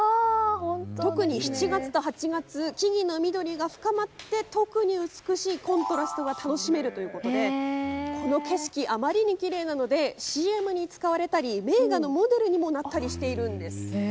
特に７月と８月木々の緑が深まって特に美しいコントラストが楽しめるということでこの景色、あまりにきれいなのでＣＭに使われたり名画のモデルにもなったりしているんです。